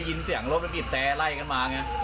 ได้ยินเสียงปีนบีบแดล่ายกันมา